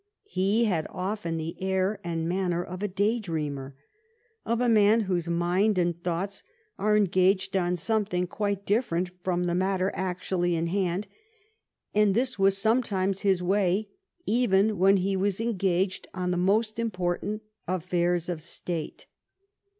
He had often the air and manner of a noon day dreamer; of a man whose mind and thoughts are engaged on something quite different from the matter actually in hand; and this was sometimes his way even when he was engaged on the most im portant affairs of state.